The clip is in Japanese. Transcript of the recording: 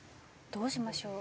どうしましょう？